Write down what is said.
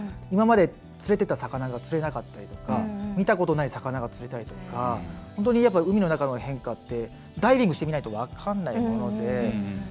今まで釣れてた魚が釣れなかったりとか見たことない魚が釣れたりとか本当に、海の中の変化ってダイビングしてみないと分かんないもので。